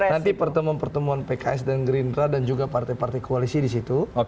nanti pertemuan pertemuan pks dan gerindra dan juga partai partai koalisi di situ